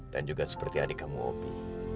dan juga seperti adik kamu opi